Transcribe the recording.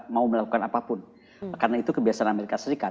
mau melakukan apapun karena itu kebiasaan amerika serikat